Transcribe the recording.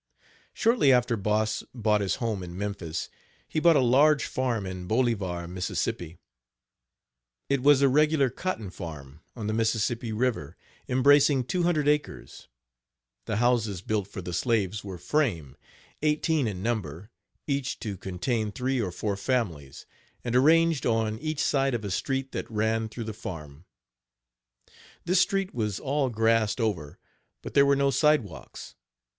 Shortly after Boss bought his home in Memphis, he bought a large farm in Bolivar, Miss. It was a regular cotton farm, on the Missippi river, embracing 200 acres. The houses built for the slaves were Page 76 frame, eighteen in number, each to contain three or four families, and arranged on each side of a street that ran through the farm. This street was all grassed over, but there were no sidewalks.